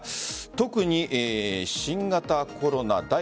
特に新型コロナ第８